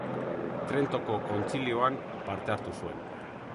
Trentoko kontzilioan parte hartu zuen.